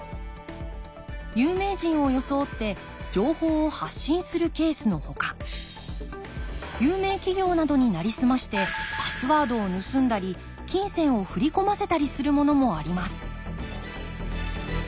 有名人を装って情報を発信するケースのほか有名企業などになりすましてパスワードを盗んだり金銭を振り込ませたりするものもあります